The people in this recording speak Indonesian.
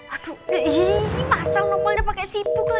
aduh iii masal nomolnya pakai sibuk lagi